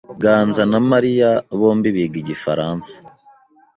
Ganza na Mariya bombi biga Igifaransa.